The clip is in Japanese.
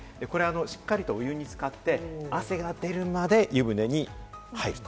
しっかりとお湯に浸かって汗が出るまで湯船に入ると。